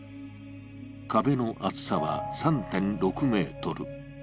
壁の厚さは３．６ｍ。